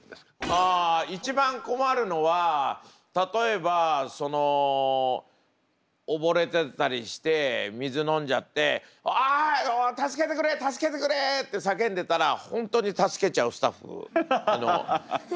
あ一番困るのは例えばその溺れてたりして水飲んじゃって「おい助けてくれ助けてくれ！」って叫んでたら本当に助けちゃうスタッフ。